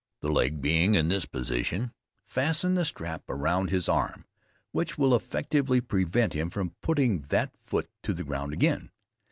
The leg being in this position, fasten the strap around his arm, which will effectually prevent him from putting that foot to the ground again.